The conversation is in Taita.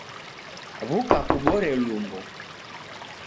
W'uka kubore lumbo